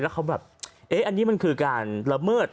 แล้วเขาแบบเอ๊ะอันนี้มันคือการละเมิด